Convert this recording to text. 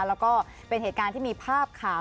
แล้วก็เป็นเหตุการณ์ที่มีภาพข่าว